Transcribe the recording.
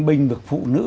bình vực phụ nữ